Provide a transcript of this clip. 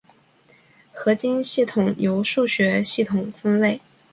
合金系统由数字系统分类。